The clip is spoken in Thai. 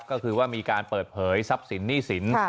ก็คือว่ามีการเปิดเผยทรัพย์สินหนี้สิน